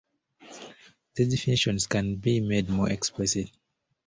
These definitions can be made more explicit.